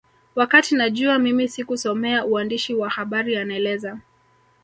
Wakati najua mimi sikusomea uandishi wa habari anaeleza